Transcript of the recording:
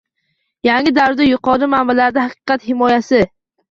Yangi davrda yuqori minbarlardan haqiqat himoyasi